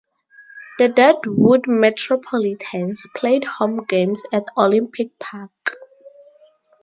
The Deadwood Metropolitans played home games at Olympic Park.